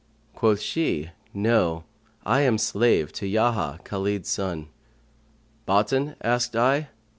Quoth she, * No, I am slave to Yahyα Khαlid son!' Boughten?' asked I.